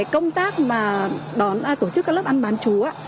công tác tổ chức các lớp ăn bán chú